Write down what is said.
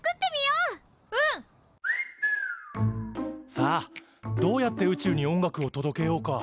さあどうやって宇宙に音楽を届けようか？